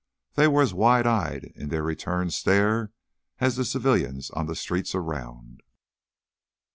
They were as wide eyed in their return stare as the civilians on the streets around.